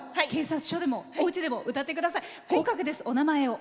合格です、お名前を。